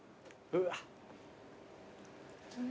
うわ！